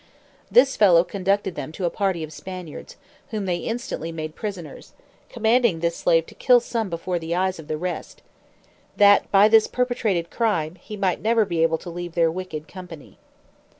This fellow conducted them to a party of Spaniards, whom they instantly made prisoners, commanding this slave to kill some before the eyes of the rest; that by this perpetrated crime, he might never be able to leave their wicked company.